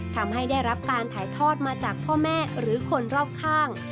ทำให้ได้รับการถ่ายทอดมาจากพ่อแม่หรือคนรอบข้าง